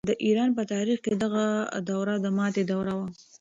د ایران په تاریخ کې دغه دوره د ماتې دوره وه.